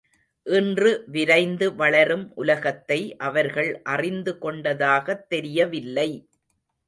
இன்று விரைந்து வளரும் உலகத்தை அவர்கள் அறிந்து கொண்டதாகத் தெரியவில்லை.